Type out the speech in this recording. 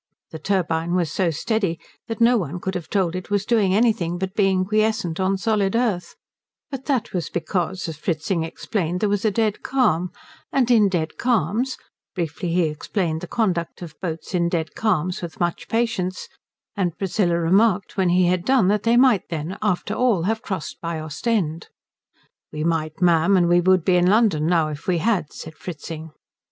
The turbine was so steady that no one could have told it was doing anything but being quiescent on solid earth; but that was because, as Fritzing explained, there was a dead calm, and in dead calms briefly, he explained the conduct of boats in dead calms with much patience, and Priscilla remarked when he had done that they might then, after all, have crossed by Ostend. "We might, ma'am, and we would be in London now if we had," said Fritzing.